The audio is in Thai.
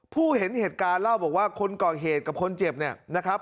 ผู้เห็นเหตุการณ์เล่าบอกว่าคนก่อเหตุกับคนเจ็บเนี่ยนะครับ